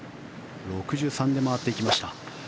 ６３で回っていきました。